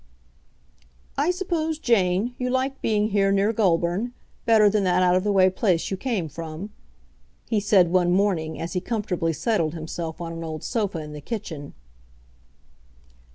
"I suppose, Jane, you like being here near Goulburn, better than that out of the way place you came from," he said one morning as he comfortably settled himself on an old sofa in the kitchen.